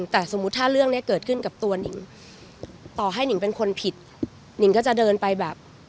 แต่สมมุติถ้าเรื่องนี้เกิดขึ้นกับตัวหนิงต่อให้นิงเป็นคนผิดหนิงก็จะเดินไปแบบ